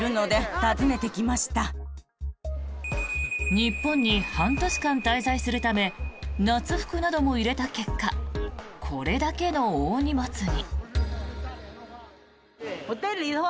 日本に半年間滞在するため夏服なども入れた結果これだけの大荷物に。